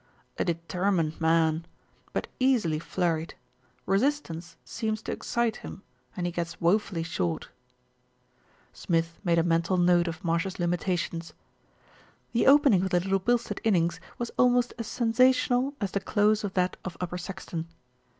"A determined man; but easily flurried. Resistance seems to excite him, and he gets woefully short." Smith made a mental note of Marsh's limitations. The opening of the Little Bilstead innings was almost as sensational as the close of that of Upper Saxton.